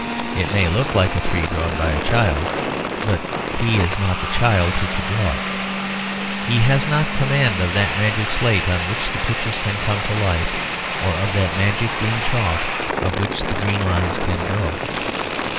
It may look like a tree drawn by a child, but he is not the child who could draw it. He has not command of that magic slate on which the pictures can come to life, or of that magic green chalk of which the green lines can grow.